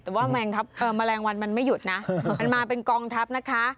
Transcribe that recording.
แต่ว่าแมลงวันมันไม่หยุดนะมันมาเป็นกองทัพนะคะ